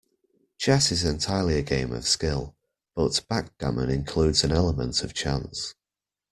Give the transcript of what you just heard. Chess is entirely a game of skill, but backgammon includes an element of chance